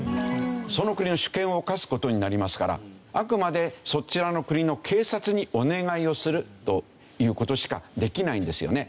その国の主権を侵す事になりますからあくまでそちらの国の警察にお願いをするという事しかできないんですよね。